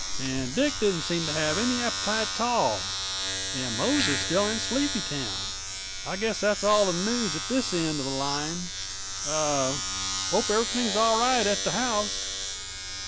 "And Dick didn't seem to have any appetite at all, and Mose is still in Sleepytown. I guess that's all the news at this end of the line. Er hope everything is all right at the house?"